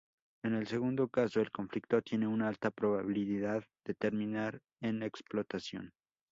En el segundo caso el conflicto tiene una alta probabilidad de terminar en explotación.